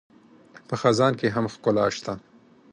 په خزان کې هم ښکلا شته